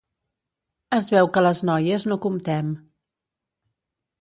Es veu que les noies no comptem.